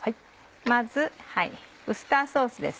まずウスターソースです。